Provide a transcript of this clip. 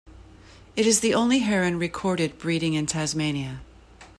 It is the only heron recorded breeding in Tasmania.